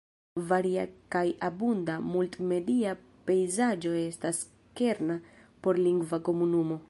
Varia kaj abunda multmedia pejzaĝo estas kerna por lingva komunumo.